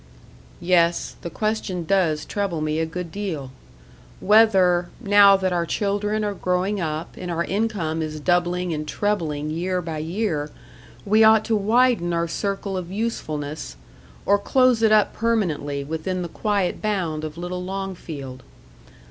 "Yes, the question does trouble me a good deal. Whether, now that our children are growing up, and our income is doubling and trebling year by year, we ought to widen our circle of usefulness, or close it up permanently within the quiet bound of little Longfield.